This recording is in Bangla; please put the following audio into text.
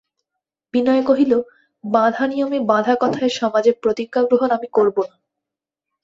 বিনয় কহিল, বাঁধা নিয়মে বাঁধা কথায় সমাজে প্রতিজ্ঞাগ্রহণ আমি করব না।